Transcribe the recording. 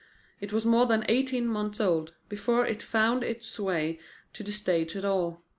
It was more than eighteen months old before it found its way to the stage at all.